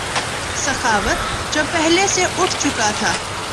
سخاوت جو پہلے سے اٹھ چکا تھا